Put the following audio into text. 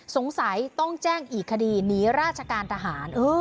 สงสัยต้องแจ้งอีกคดีหนีราชการทหาร